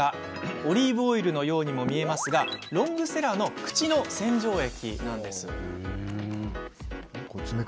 オリーブオイルのようにも見えますがロングセラーの口の洗浄液なんです。